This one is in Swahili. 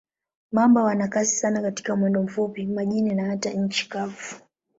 Mamba wana kasi sana katika mwendo mfupi, majini na hata nchi kavu.